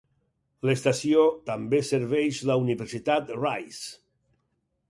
L'estació també serveix la Universitat Rice.